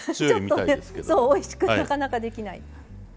ちょっとねおいしくなかなかできない。